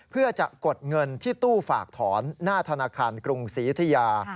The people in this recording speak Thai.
เพื่อจะกดเงินที่ตู้ฝากถอนหน้าธนาคารกรุงศรียุธยา